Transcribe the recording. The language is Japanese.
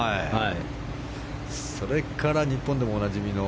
それから日本でもおなじみ